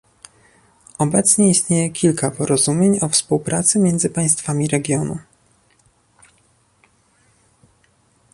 Obecnie istnieje kilka porozumień o współpracy między państwami regionu